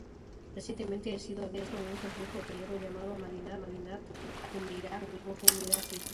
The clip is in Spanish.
Recientemente ha sido abierto un complejo hotelero llamado Madinat Jumeirah, o "Jumeirah City,".